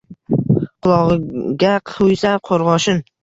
Qulogʻiga quysa qoʻrgʻoshin